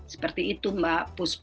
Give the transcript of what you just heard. seperti itu mbak puspa